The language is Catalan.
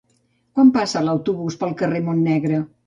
Quan passa l'autobús pel carrer Montnegre?